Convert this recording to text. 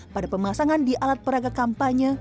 pada pemasangan di alat peragak kampanye